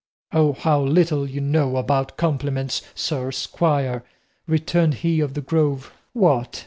"O how little you know about compliments, sir squire," returned he of the Grove. "What!